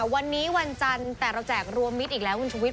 วันนี้วันจันทร์แต่เราแจกรวมมิตรอีกแล้วคุณชุวิต